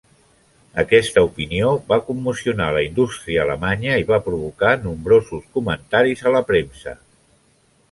Aquesta opinió va commocionar la indústria alemanya i va provocar nombrosos comentaris a la premsa.